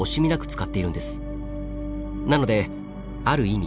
なのである意味